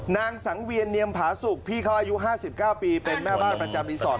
นางสังเวียนเนียมผาสุกพี่เขาอายุ๕๙ปีเป็นแม่บ้านประจำรีสอร์ท